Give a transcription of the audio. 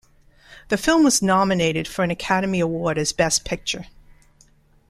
The film was nominated for an Academy Award as Best Picture.